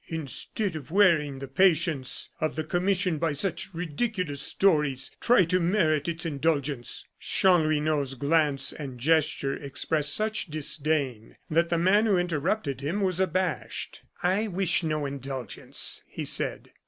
"Instead of wearying the patience of the commission by such ridiculous stories, try to merit its indulgence." Chanlouineau's glance and gesture expressed such disdain that the man who interrupted him was abashed. "I wish no indulgence," he said.